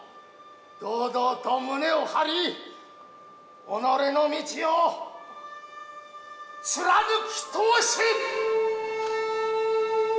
堂々と胸を張り己の道を、貫き通せ！